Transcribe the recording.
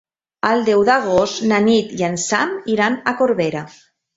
El deu d'agost na Nit i en Sam iran a Corbera.